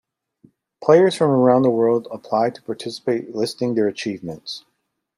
Players from around the world apply to participate listing their achievements.